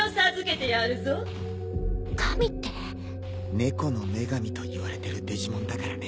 猫の女神といわれてるデジモンだからね。